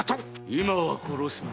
今は殺すな。